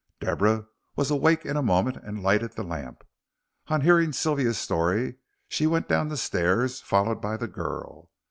Deborah was awake in a moment and lighted the lamp. On hearing Sylvia's story she went down the stairs followed by the girl.